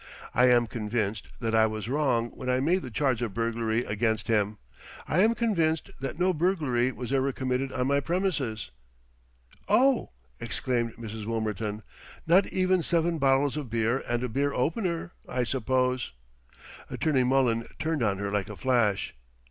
I am convinced that I was wrong when I made the charge of burglary against him. I am convinced that no burglary was ever committed on my premises " "Oh!" exclaimed Mrs. Wilmerton. "Not even seven bottles of beer and a beer opener, I suppose!" Attorney Mullen turned on her like a flash.